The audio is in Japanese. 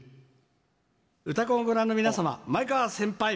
「うたコン」をご覧の皆様前川先輩